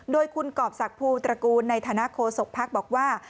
โดยคุณกรอบศักดิภูตระกูลในฐานะโคศกภักดิ์บอกว่า